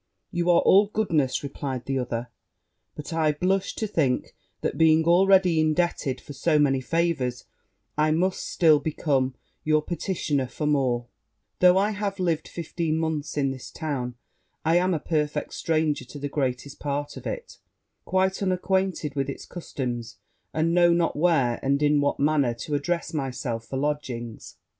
'You are all goodness,' replied the other; 'but I blush to think that, being already indebted for so many favours, I must still become your petitioner for more: though I have lived fifteen months in this town, I am a perfect stranger to the greatest part of it, quite unacquainted with it's customs, and know not where, and in what manner, to address myself for lodgings.